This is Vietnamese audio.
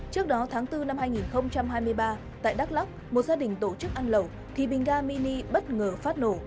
trước đó tháng bốn năm hai nghìn hai mươi ba tại đắk lóc một gia đình tổ chức ăn lẩu thì bình ga mini bất ngờ phát nổ